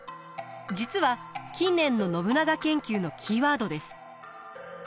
実は近年の信長研究のキーワードです。